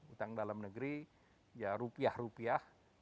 utang dalam negeri ya rupiah rupiah